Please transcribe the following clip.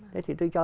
thế thì tôi cho